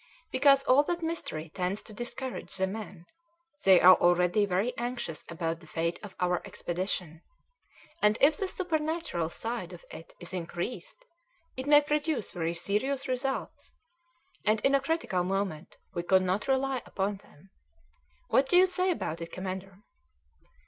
"Because all that mystery tends to discourage the men: they are already very anxious about the fate of our expedition, and if the supernatural side of it is increased it may produce very serious results, and in a critical moment we could not rely upon them. What do you say about it, commander?"